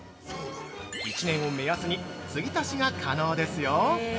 １年を目安に継ぎ足しが可能ですよ。